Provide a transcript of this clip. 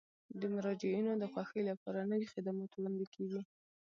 د مراجعینو د خوښۍ لپاره نوي خدمات وړاندې کیږي.